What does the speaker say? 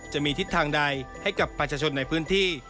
จะมีทิศทางใดให้กับประชาชนในพื้นที่